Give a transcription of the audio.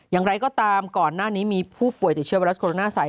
อย่างไรก็ตามก่อนหน้านี้มีผู้ป่วยติดเชื้อไวรัสโคโรนาสาย